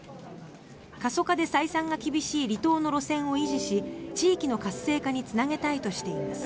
過疎化で採算が厳しい離島の路線を維持し地域の活性化につなげたいとしています。